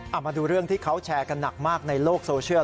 เอามาดูเรื่องที่เขาแชร์กันหนักมากในโลกโซเชียล